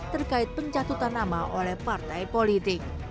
terkait pencatutan nama oleh partai politik